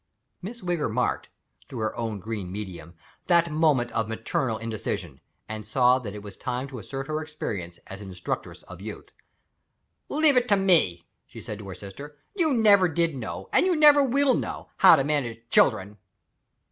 Miss Wigger marked (through her own green medium) that moment of maternal indecision and saw that it was time to assert her experience as an instructress of youth. "Leave it to me," she said to her sister. "You never did know, and you never will know, how to manage children."